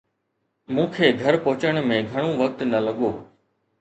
مون کي گهر پهچڻ ۾ گهڻو وقت نه لڳو